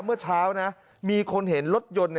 เมื่อเช้านะมีคนเห็นรถยนต์